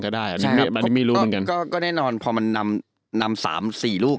ก็ได้ใช่ครับมันไม่รู้เหมือนกันก็ก็แน่นอนพอมันนำนำสามสี่ลูก